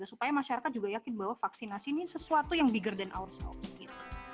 supaya masyarakat yakin bahwa vaksinasi ini sesuatu yang lebih besar dari diri kita